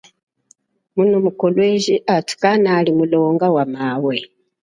Muno mu Kolwezi athu kanali mulonga wa mawe.